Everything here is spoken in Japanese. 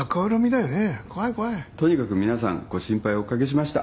とにかく皆さんご心配お掛けしました。